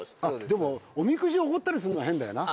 でもおみくじをおごったりするのは変だよな。